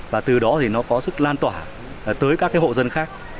và từ đó thì nó có sức lan tỏa tới các hộ dân khác